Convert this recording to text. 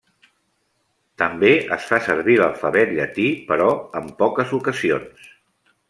També es fa servir l'Alfabet llatí, però en poques ocasions.